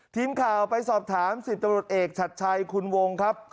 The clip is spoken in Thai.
ทีมข่าวไปสอบถาม๑๐ตำรวจเอกชัดชัยคุณวงครับ